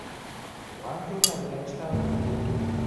Bwankeeta bya kitalo.